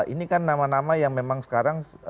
ini kan nama nama yang memang sekarang